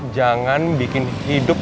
jangan bikin hidup